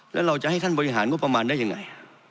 แล้วเราจะให้ท่านบริหารงบประมาณได้ยังไง